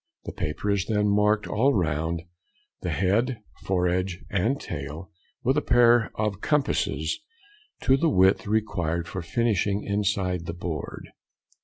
The paper is then marked all round—the head, foredge, |100| and tail, with a pair of compasses to the width required for finishing inside the board.